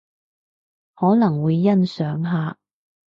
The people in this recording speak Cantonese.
可能會欣賞下